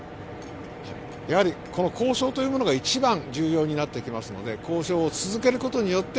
交渉というものが一番重要になってきますので交渉を続けることによって